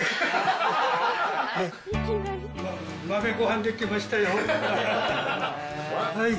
豆ごはん、出来ましたよ。